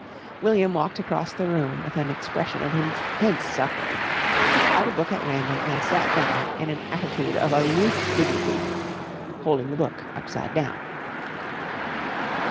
William walked across the room with an expression of intense suffering, took out a book at random, and sat down in an attitude of aloof dignity, holding the book upside down.